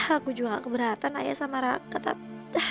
aku juga enggak keberatan ayah sama raka tapi